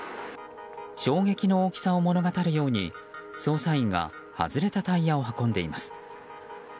衝撃の大きさを物語るように捜査員が外れたタイヤを運んでいます。